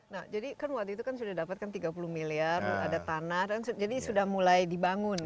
nah jadi kan waktu itu kan sudah dapat kan tiga puluh miliar ada tanah dan jadi sudah mulai dibangun